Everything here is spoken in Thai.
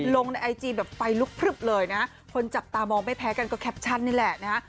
ลงในไอจีแบบไฟลุกพลึบเลยนะคนจับตามองไม่แพ้กันก็แคปชั่นนี่แหละนะฮะ